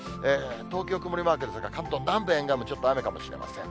東京、曇りマークですが、関東南部、沿岸部、ちょっと雨かもしれません。